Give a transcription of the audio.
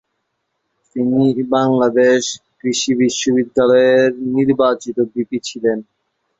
তিনি বাংলাদেশ কৃষি বিশ্ববিদ্যালয়ের নির্বাচিত ভিপি ছিলেন।